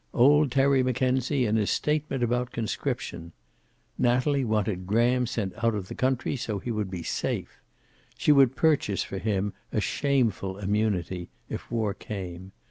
Old Terry Mackenzie and his statement about conscription. Natalie wanted Graham sent out of the country, so he would be safe. She would purchase for hint a shameful immunity, if war came.